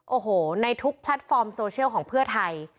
โอ้โหในทุกแพลตฟอร์มโซเชียลของเพื่อไทย